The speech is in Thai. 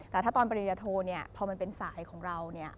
แต่ถ้าตอนปริญญาโทเนี่ยพอมันเป็นสายของเราเนี่ย